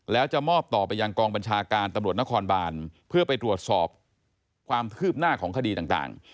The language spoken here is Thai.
แล้วจะมอบต่อไปยังกองบัญชาการตำรวจนครบานเพื่อไปตรวจสอบความคืบหน้าของคดีต่าง